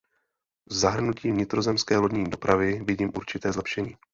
V zahrnutí vnitrozemské lodní dopravy vidím určité zlepšení.